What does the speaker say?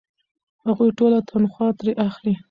هغوی ټوله تنخوا ترې اخلي.